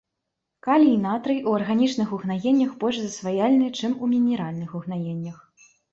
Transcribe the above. Калій і натрый у арганічных угнаеннях больш засваяльныя, чым у мінеральных угнаеннях.